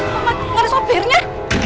mama gak ada sopirnya